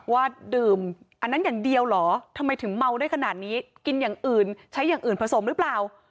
ว่าดื่มอันนั้นอย่างเดียวเหรอทำไมถึงเมาได้ขนาดนี้กินอย่างอื่นใช้อย่างอื่นผสมหรือเปล่า